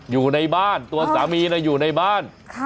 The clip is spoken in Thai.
อยู่ในบ้านตัวสามีอยู่ในบ้าน